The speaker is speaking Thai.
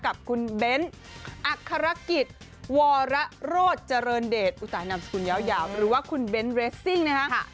กับคุณเบ้นอักษรกิจวรโรธเจริญเดชอุตส่าหนามสกุลยาวหรือว่าคุณเบ้นเรสซิ่งนะฮะ